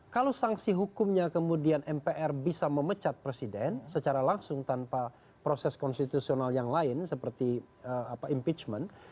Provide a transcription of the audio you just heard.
kalau sanksi hukumnya kemudian mpr bisa memecat presiden secara langsung tanpa proses konstitusional yang lain seperti impeachment